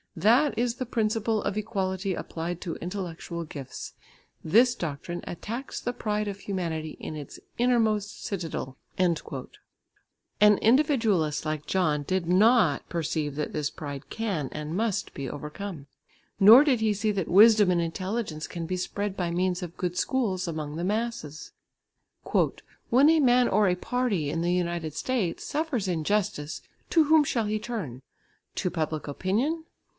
That is the principle of equality applied to intellectual gifts. This doctrine attacks the pride of humanity in its innermost citadel." An individualist like John did not perceive that this pride can and must be overcome. Nor did he see that wisdom and intelligence can be spread by means of good schools among the masses. "When a man or a party in the United States suffers injustice, to whom shall he turn? To public opinion?